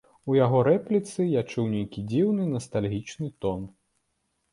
У яго рэпліцы я чую нейкі дзіўны настальгічны тон.